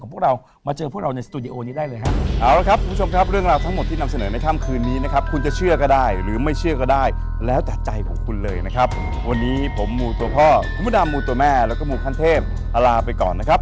ผมหมูโตพ่อมูด้ำหมูตัวแม่แล้วก็มูท่านเทพหนีไปก่อนนะครับ